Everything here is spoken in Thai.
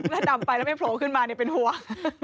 ถ้าดำไปแล้วไม่โผล่ขึ้นมาเนี่ยเป็นห่วง